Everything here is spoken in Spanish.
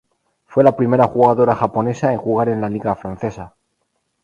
Fue la primera jugadora japonesa en jugar en la liga francesa.